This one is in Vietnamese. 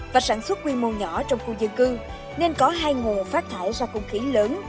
và sản xuất quy mô nhỏ trong khu dân cư nên có hai nguồn phát thải ra không khí lớn